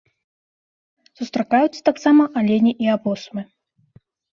Сустракаюцца таксама алені і апосумы.